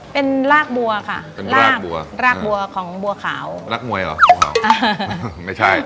เป็นลากบัวลากบัวของบัวขาวลักมวยหรอไม่ใช่